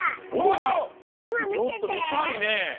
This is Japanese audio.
ちょっとみたいね。